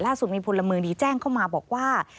ล่าสุดมีพลเมืองดีแจ้งเข้ามาบอกว่า